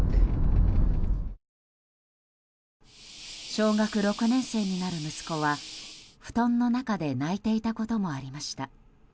小学６年生になる息子は布団の中で泣いていたこともありました。